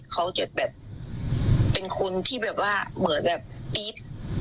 เขาจะแบบเป็นคนที่แบบว่าเหมือนแบบตี๊ด